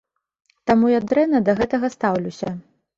Таму я дрэнна да гэтага стаўлюся.